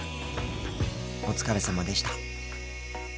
お疲れさまでした。